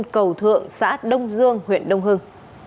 cầu thượng xã đông dương huyện đông hưng